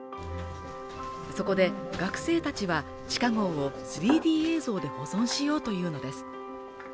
そこで学生たちは地下壕を３Ｄ映像で保存しようというのです